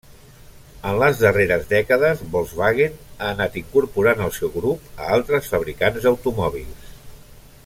En les darreres dècades Volkswagen ha anat incorporant al seu grup a altres fabricants d'automòbils.